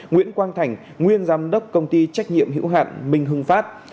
nguyễn quang thành nguyên giám đốc công ty trách nhiệm hữu hạn minh hưng phát